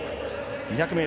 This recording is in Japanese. ２００ｍ